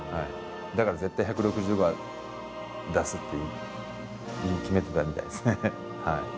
だから絶対１６５は出すっていうふうに決めてたみたいですね。